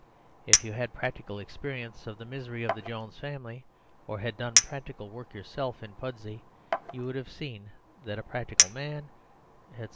If you had practical experi ence of the misery of the Jones' family, or had done 130 MAKING FOR SERVILE STATE practical work yourself in Pudsey, you would have seen that a practical man," etc.